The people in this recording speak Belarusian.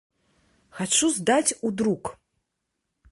Хачу здаць у друк.